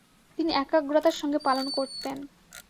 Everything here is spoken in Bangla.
তিনি একাগ্রতার সঙ্গে পালন করতেন।